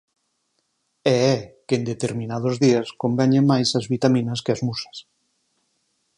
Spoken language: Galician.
E é que en determinados días conveñen máis as vitaminas que as musas.